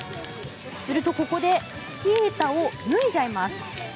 すると、ここでスキー板を脱いじゃいます。